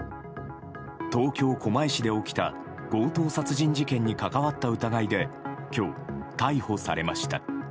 東京・狛江市で起きた強盗殺人事件に関わった疑いで今日、逮捕されました。